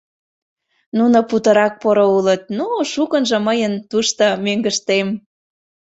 Нуно путырак поро улыт... ну, шукынжо мыйын, тушто, мӧҥгыштем.